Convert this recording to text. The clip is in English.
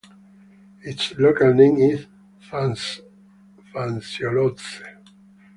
Its local name is fantsiolotse.